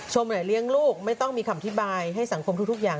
เลี้ยงลูกไม่ต้องมีคำอธิบายให้สังคมทุกอย่าง